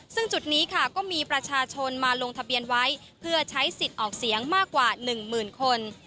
ซึ่งจุดนี้ค่ะก็มีประชาชนมาลงทะเบียนไว้เพื่อใช้สิทธิ์ออกเสียงมากกว่า๑หมื่นคน